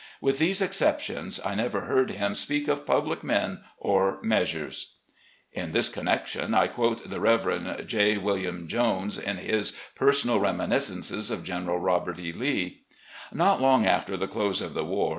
With these exceptions, I never heard him speak of public men or measures." In this connection I quote the Rev. J. Wm. Jones in his "Personal Reminiscences of General Robert E. Lee": "Not long after the close of the war.